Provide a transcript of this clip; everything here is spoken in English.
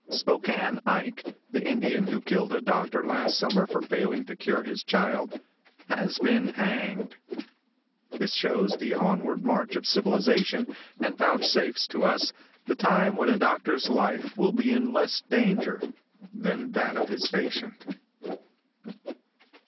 |SPOKANE IKE," the Indian who killed a doctor last summer for failing to cure his child, has been hanged. This shows the onward march of civilization, and vouchsafes to us the time when a doctor's life will be in less danger than that of his patient.